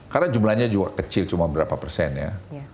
karena jumlahnya juga kecil cuma berapa persen ya